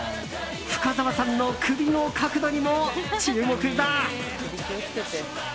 深澤さんの首の角度にも注目だ。